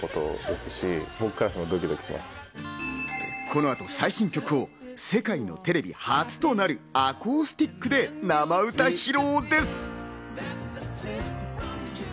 この後、最新曲を世界のテレビ初となるアコースティックで生歌披露です。